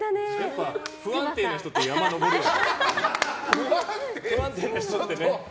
不安定な人って山登るよね。